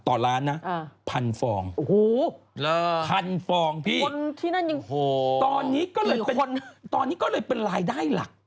ต่อร้านนะ๑๐๐๐ฟองพันฟองพี่ตอนนี้ก็เลยเป็นรายได้หลัก